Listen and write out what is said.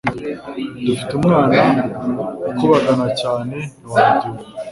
dufite umwana ukubagana cyane ntiwabyumva